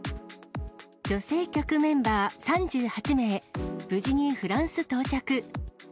女性局メンバー３８名、無事にフランス到着。